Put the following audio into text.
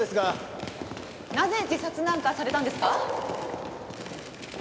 なぜ自殺なんかされたんですか？